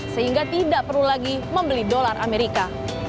sehingga tidak perlu lagi membeli dolar amerika